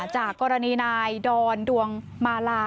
จากกรณีนายดอนดวงมาลา